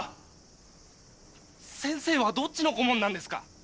先生はどっちの顧問なんですか？